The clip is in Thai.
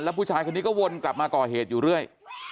ผู้ชายคนนี้ก็วนกลับมาก่อเหตุอยู่เรื่อย